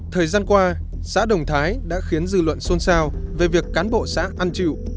thời gian qua xã đồng thái đã khiến dư luận xôn xao về việc cán bộ xã ăn chịu